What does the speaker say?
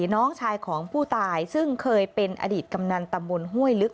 น้องชายของผู้ตายซึ่งเคยเป็นอดีตกำนันตำบลห้วยลึก